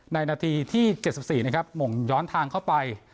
ในนาทีที่เจ็ดสิบสี่นะครับหมงย้อนทางเข้าไป